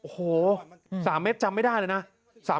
โอ้โห๓เม็ดจำไม่ได้เลยนะ